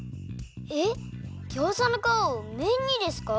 えっギョーザのかわをめんにですか？